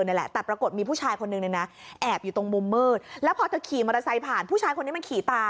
หลังจากนั้นเปิดข้างล่างค่ะ